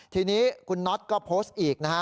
ทีนี้คุณน็อตก็โพสต์อีกนะฮะ